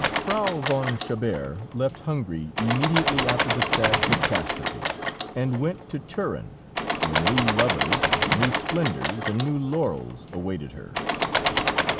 Frau von Chabert left Hungary immediately after the sad catastrophe, and went to Turin, where new lovers, new splendors and new laurels awaited her.